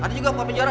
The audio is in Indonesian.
ada juga buah penjara